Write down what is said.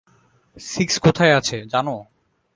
Six কোথায় আছে, জানো?